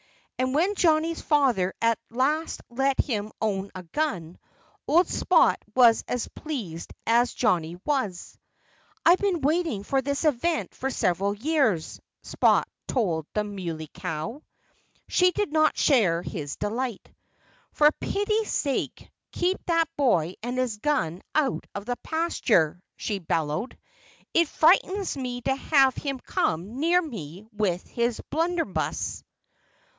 And when Johnnie's father at last let him own a gun, old Spot was as pleased as Johnnie was. "I've been waiting for this event for several years," Spot told the Muley Cow. She did not share his delight. "For pity's sake, keep that boy and his gun out of the pasture!" she bellowed. "It frightens me to have him come near me with his blunderbuss."